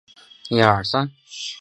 一旦弄脏会受到昆虫滋扰。